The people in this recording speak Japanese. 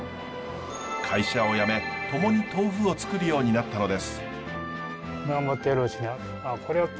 会社を辞め共に豆腐をつくるようになったのです。